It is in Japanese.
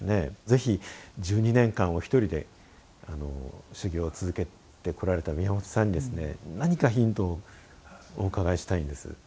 是非１２年間お一人で修行を続けてこられた宮本さんにですね何かヒントをお伺いしたいんです。